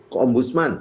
ke om busman